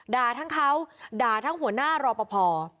ทั้งเขาด่าทั้งหัวหน้ารอปภ